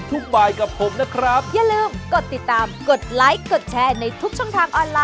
สวัสดีค่ะ